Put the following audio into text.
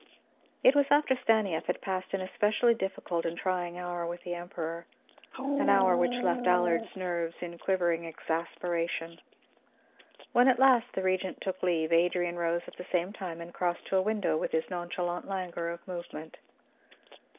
It was after Stanief had passed an especially difficult and trying hour with the Emperor, an hour which left Allard's nerves in quivering exasperation. When at last the Regent took leave, Adrian rose at the same time and crossed to a window with his nonchalant languor of movement.